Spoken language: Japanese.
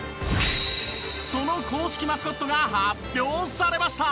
その公式マスコットが発表されました！